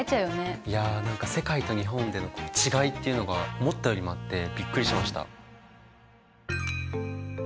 いや何か世界と日本での違いっていうのが思ったよりもあってびっくりしました。